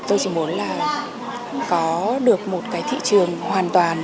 tôi chỉ muốn là có được một cái thị trường hoàn toàn